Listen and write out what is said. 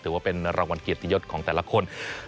ถือว่าเป็นรางวัลเกียรติยศของแต่ละคน